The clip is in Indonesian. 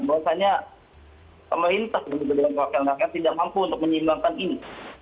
bahwasanya pemerintah dan juga diwakil rakyat tidak mampu untuk menyeimbangkan ini